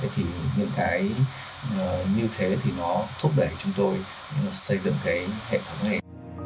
thì những cái như thế thì nó thúc đẩy chúng tôi xây dựng cái hệ thống này